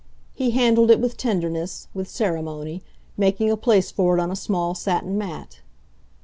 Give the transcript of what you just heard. He handled it with tenderness, with ceremony, making a place for it on a small satin mat.